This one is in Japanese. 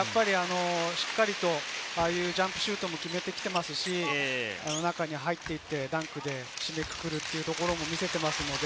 しっかりとああいうジャンプシュートも決めてきますし、中に入って行ってダンクで締めくくるというところも見てます。